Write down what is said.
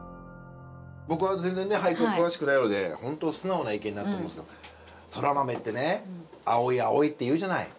僕は全然俳句は詳しくないので本当素直な意見になると思いますけどそら豆ってね青い青いっていうじゃない。